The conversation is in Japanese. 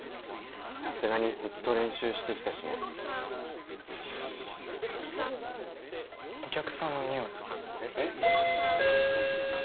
さすがにずっと練習してきたしねお客さんのにおいえっ？